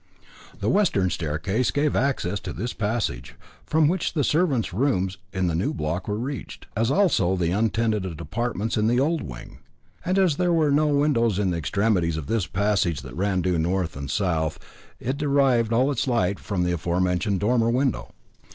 The western staircase gave access to this passage, from which the servants' rooms in the new block were reached, as also the untenanted apartments in the old wing. And as there were no windows in the extremities of this passage that ran due north and south, it derived all its light from the aforementioned dormer window.